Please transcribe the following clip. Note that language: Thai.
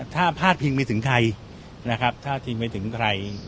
ถ้าพาดพิงไปถึงใครนะครับพาดพิงไปถึงใคร